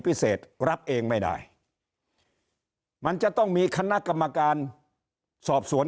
พิเศษรับเองไม่ได้มันจะต้องมีคณะกรรมการสอบสวน